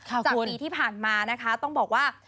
จากปีที่ผ่านมานะคะต้องบอกว่า